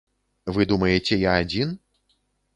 Вы думаеце я адзін?